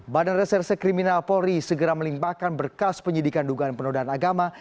badan reserse kriminal polri segera melimpahkan berkas penyidikan dugaan penodaan agama